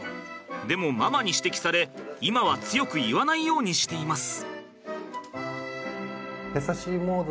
でもママに指摘され今は強く言わないようにしています。